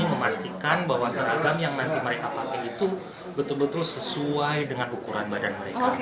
memastikan bahwa seragam yang nanti mereka pakai itu betul betul sesuai dengan ukuran badan mereka